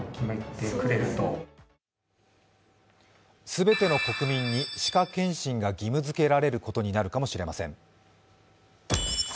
全ての国民に歯科検診が義務づけられることになるかもしれません。